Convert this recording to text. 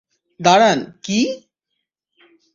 দাঁড়ান, কী?